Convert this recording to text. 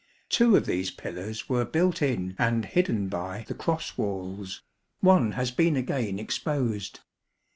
Two of these pillars were built in and hidden by the cross walls; one has been again exposed.